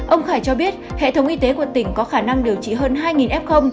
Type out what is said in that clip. ông khải cho biết hệ thống y tế của tỉnh có khả năng điều trị hơn hai f